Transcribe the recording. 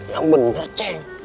yang bener ceng